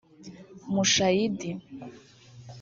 Mushayidi